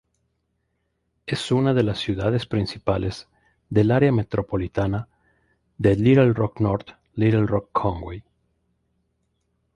Es una de las ciudades principales del área metropolitana de Little Rock-North Little Rock-Conway.